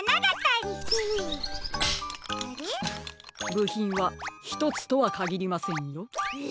ぶひんはひとつとはかぎりませんよ。え！？